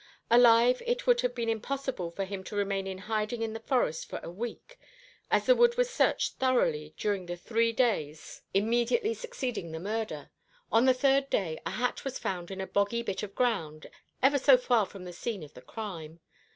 Alive, it would have been impossible for him to remain in hiding in the forest for a week, as the wood was searched thoroughly during the three days immediately succeeding the murder. On the third day a hat was found in a boggy bit of ground, ever so far from the scene of the crime.